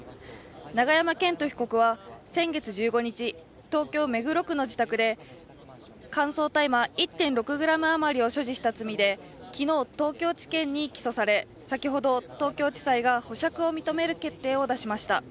永山絢斗被告は先月１５日、東京・目黒区の自宅で乾燥大麻１．６ｇ余りを所持した罪で昨日東京地検に起訴され先ほど保釈を認める決定が出されました。